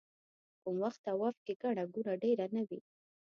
کوم وخت طواف کې ګڼه ګوڼه ډېره نه وي.